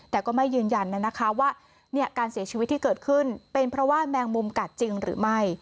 แต่ก็ไม่ยืนยันว่าการเสียชีวิตที่เกิดขึ้นเป็นเพราะว่าแมงมุมกัดจริงหรือไม่